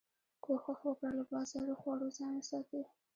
کوښښ وکړه له بازاري خوړو ځان وساتي